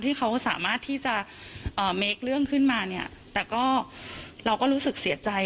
ที่เขาสามารถที่จะเมคเรื่องขึ้นมาเนี่ยแต่ก็เราก็รู้สึกเสียใจ